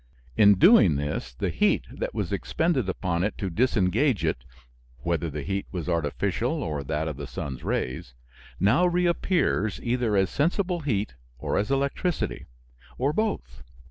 In doing this the heat that was expended upon it to disengage it (whether the heat was artificial or that of the sun's rays) now reappears either as sensible heat or as electricity, or both.